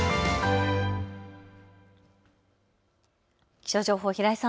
気象情報、平井さん